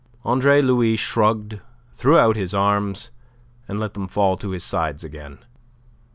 Andre Louis shrugged, threw out his arms, and let them fall to his sides again.